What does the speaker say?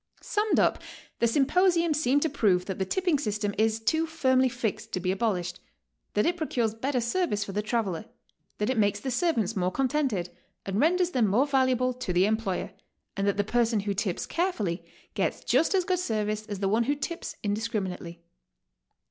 Summed up, the symiposium seemed to prove that the tipping system is too firmly fixed to be abolished; that it procures better service for the traveler; that it makes the servants m'ore contented, and renders them more valuable to the employer; and that the person who tips carefully gets just as good service as the one w'ho tips indiscriminately.